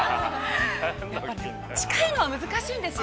◆近いのは難しいんですよ。